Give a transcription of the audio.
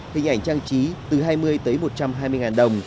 hình ảnh trang trí từ hai mươi tới một trăm hai mươi ngàn đồng